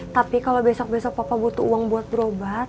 tapi kalau besok besok papa butuh uang buat berobat